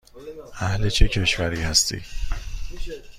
اهل چه کشوری هستی؟